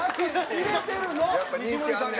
入れてるの。